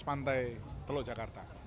pas pantai teluk jakarta